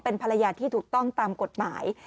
เป็นภรรยาที่ถูกต้องตามกฎหมาย